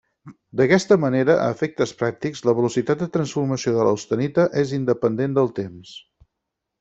D'aquesta manera, a efectes pràctics, la velocitat de transformació de l'austenita és independent del temps.